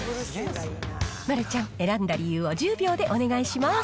丸ちゃん、選んだ理由を１０秒でお願いします。